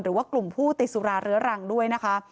หรือว่ากลุ่มผู้ติดสุราเรื้อรังด้วยนะคะ